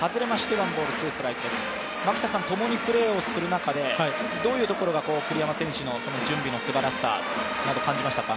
共にプレーをする中で、どういうところが栗山選手の準備のすばらしさ、感じましたか。